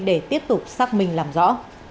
để tiếp tục xác minh làm rõ